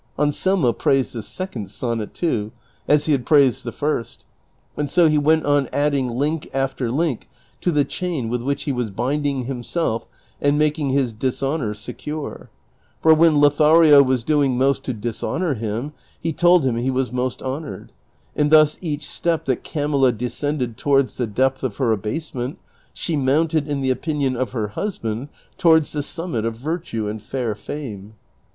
Anselmo praised this second sonnet too, as he had j^raised the firs! ; and so he went on adding link after link to the chain with which he was binding himself and making his dishonor secure ; for when ]>othario was doing most to dishonor him he told him he was most iionored ; and thus each step that Camilla descended towards the depths of her abasement, she mounted, in the opinion of her husband, towards the summit of virtue and fair fame.